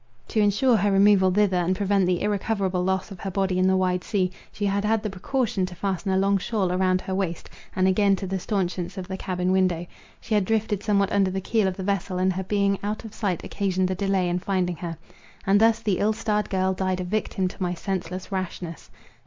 To ensure her removal thither, and prevent the irrecoverable loss of her body in the wide sea, she had had the precaution to fasten a long shawl round her waist, and again to the staunchions of the cabin window. She had drifted somewhat under the keel of the vessel, and her being out of sight occasioned the delay in finding her. And thus the ill starred girl died a victim to my senseless rashness.